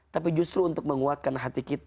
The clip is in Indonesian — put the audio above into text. tapi justru untuk menguatkan hati kita